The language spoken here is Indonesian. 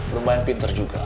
lumayan pinter juga